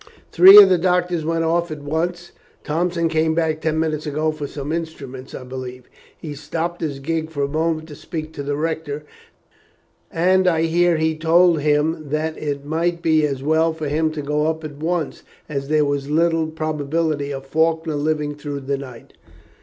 Three of the doctors went off at once. Thompson came back ten minutes ago, for some instruments, I believe. He stopped his gig for a moment to speak to the Rector, and I hear he told him that it might be as well for him to go up at once, as there was very little probability of Faulkner's living through the night."